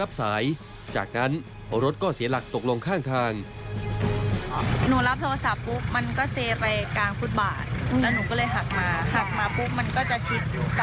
ออกมาเจ็บอะไรตรงไหนมีครับนี่